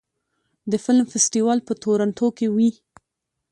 د فلم فستیوال په تورنټو کې وي.